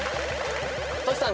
トシさん